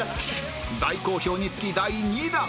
大好評につき第２弾！